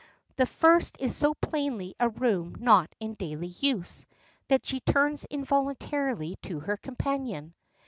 The first is so plainly a room not in daily use, that she turns involuntarily to her companion.